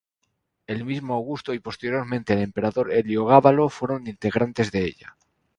El mismo Augusto y posteriormente el emperador Heliogábalo fueron integrantes de ella.